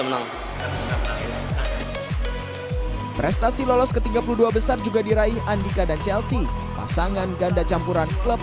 menang prestasi lolos ke tiga puluh dua besar juga diraih andika dan chelsea pasangan ganda campuran klub